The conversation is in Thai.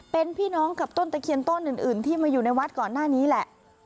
เป็นพี่น้องกับต้นตะเคียนต้นอื่นที่มาอยู่ในวัดก่อนหน้านี้แหละ